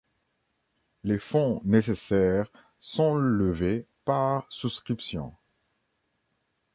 Les fonds nécessaires sont levés par souscription.